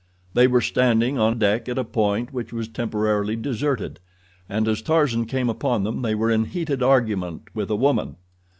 They were standing on deck at a point which was temporarily deserted, and as Tarzan came upon them they were in heated argument with a woman.